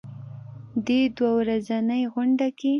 دې دوه ورځنۍ غونډه کې